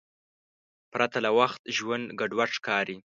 پرته له وخت ژوند ګډوډ ښکاري.